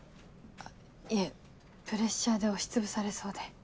いえプレッシャーで押しつぶされそうで。